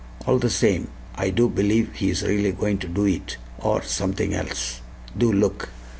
"All the same, I do believe he is really going to do it or something else. Do look!"